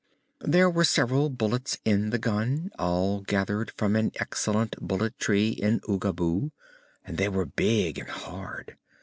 There were several bullets in the gun, all gathered from an excellent bullet tree in Oogaboo, and they were big and hard.